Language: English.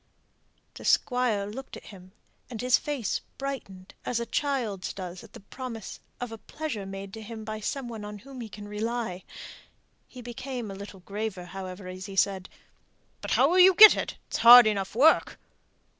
The Squire looked at him, and his face brightened as a child's does at the promise of a pleasure made to him by some one on whom he can rely. He became a little graver, however, as he said, "But how will you get it? It's hard enough work."